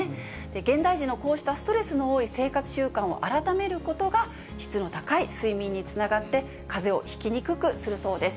現代人のこうしたストレスの多い生活習慣を改めることが、質の高い睡眠につながって、かぜをひきにくくするそうです。